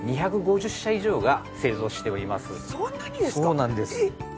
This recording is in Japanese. そうなんです。